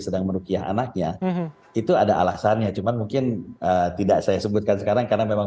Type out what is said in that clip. sedang merukiah anaknya itu ada alasannya cuman mungkin tidak saya sebutkan sekarang karena memang